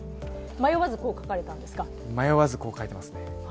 迷わず、こう書いてますね。